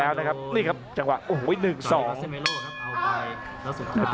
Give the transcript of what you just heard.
อัศวินาศาสตร์